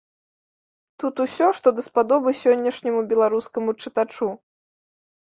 Тут усё, што даспадобы сённяшняму беларускаму чытачу.